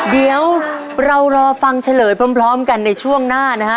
เดี๋ยวเรารอฟังเฉลยพร้อมกันในช่วงหน้านะฮะ